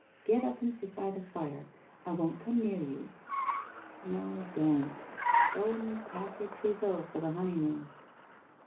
Get up and sit by the fire. I won't come near you.' * Xo, don't. Go and pack your trousseau for the honeymoon!